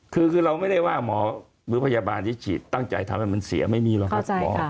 คือเราไม่ได้ว่าหมอหรือพยาบาลที่ฉีดตั้งใจทำให้มันเสียไม่มีหรอกครับหมอ